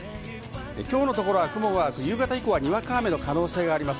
きょうのところは雲がなく夕方以降はにわか雨の可能性があります。